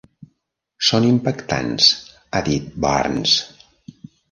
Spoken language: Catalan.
Són impactants, ha dit Barnes.